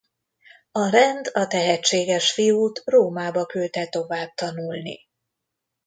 A rend a tehetséges fiút Rómába küldte tovább tanulni.